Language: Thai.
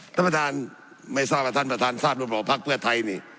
ท่านประธานไม่ทราบประทานท่านประธานทราบรุมปลอบภักดิ์เพื่อไทยนี่